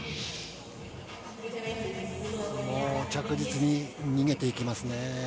もう着実に逃げていきますね。